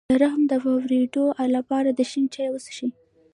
د رحم د فایبرویډ لپاره د شین چای وڅښئ